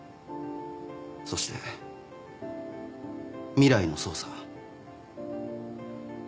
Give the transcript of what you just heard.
そして未来の捜査。